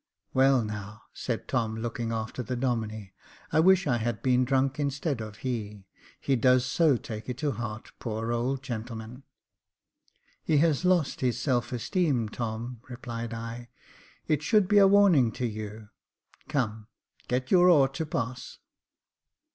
"Well, now," said Tom, looking after the Domine, " I wish I had been drunk instead of he. He does so take it to heart, poor old gentleman !" "He has lost his self esteem, Tom," replied I. "It should be a warning to you. Come, get your oar to pass."